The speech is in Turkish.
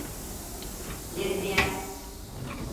Lezbiyen…